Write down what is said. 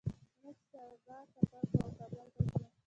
موږ سبا سفر کوو او کابل ته ځو